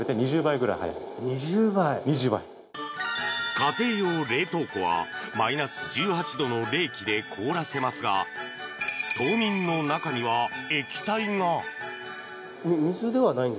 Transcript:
家庭用冷凍庫はマイナス１８度の冷気で凍らせますが凍眠の中には液体が。